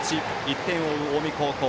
１点を追う近江高校。